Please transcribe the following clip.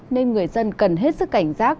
nên người dân cần hết sức cảnh giác